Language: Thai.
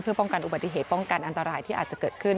เพื่อป้องกันอุบัติเหตุป้องกันอันตรายที่อาจจะเกิดขึ้น